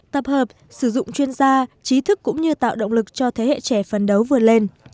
tập hợp sử dụng chuyên gia trí thức cũng như tạo động lực cho thế hệ trẻ phần đấu vượt lên